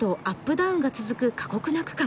ダウンが続く過酷な区間。